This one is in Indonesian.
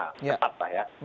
tetap lah ya